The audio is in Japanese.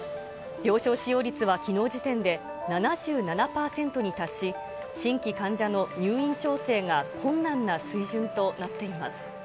病床使用率はきのう時点で７７％に達し、新規患者の入院調整が困難な水準となっています。